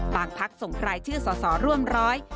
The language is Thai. บางภักดิ์ส่งรายชื่อสอร่วมร้อย